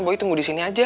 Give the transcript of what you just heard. boy tunggu di sini aja